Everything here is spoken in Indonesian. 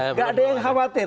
nggak ada yang khawatir